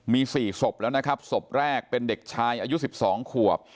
มี๔ศพแล้วนะครับศพแรกเป็นเด็กชายอายุ๑๒ขวบ